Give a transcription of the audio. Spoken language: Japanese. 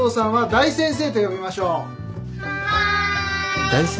大先生。